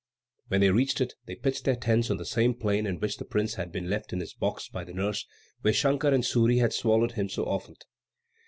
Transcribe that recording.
When they reached it they pitched their tents on the same plain in which the prince had been left in his box by the nurse, where Shankar and Suri had swallowed him so often.